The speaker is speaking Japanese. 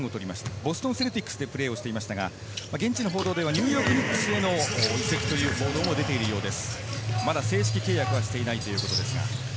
ボストン・セルティックスでプレーしていましたが、現地の報道ではニューヨーク・ニックスへの移籍ということも出ているようです。